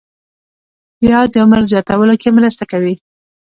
پیاز د عمر زیاتولو کې مرسته کوي